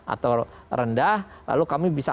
atau rendah lalu kami bisa